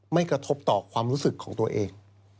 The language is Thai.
ไม่กระทบต่อความรู้สึกของตัวเอง